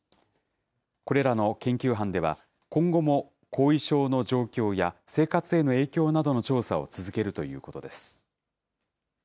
これらの研究班では、今後も後遺症の状況や生活への影響などの調査を続けるということです。